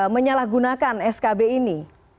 menyalahgunakan skb ini